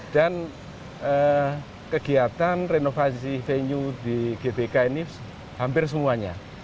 dan kegiatan renovasi venue di gbk ini hampir semuanya